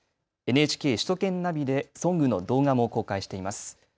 ＮＨＫ首都圏ナビでソングの動画も公開しています。